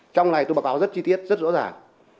trong này tôi báo cáo rất chi tiết rất rõ ràng